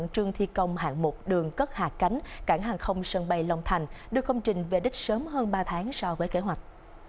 trường thi công hạng mục đường cất hạ cánh cảng hàng không sân bay long thành đưa công trình về đích sớm hơn ba tháng so với kế hoạch